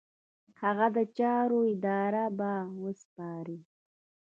هغه د چارو اداره به وسپاري.